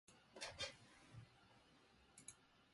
冬になると手がすぐに乾きます。